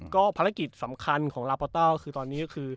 ก็ภารกิจสำคัญของลาปอต้าก็คือตอนนี้ก็คือ